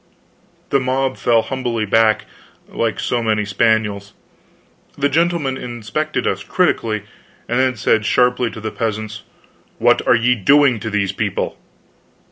The mob fell humbly back, like so many spaniels. The gentleman inspected us critically, then said sharply to the peasants: "What are ye doing to these people?"